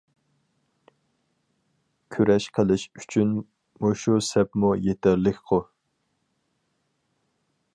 كۈرەش قىلىش ئۈچۈن مۇشۇ سەپمۇ يېتەرلىكقۇ!